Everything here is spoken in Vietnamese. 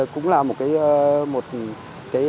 cũng là một cái